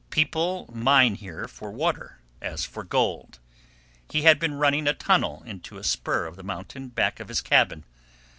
People mine here for water as for gold. He had been running a tunnel into a spur of the mountain back of his cabin.